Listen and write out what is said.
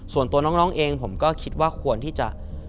ส่วนตัวน้องเองผมก็คิดว่าควรที่จะ